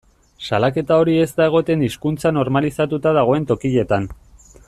Salaketa hori ez da egoten hizkuntza normalizatuta dagoen tokietan.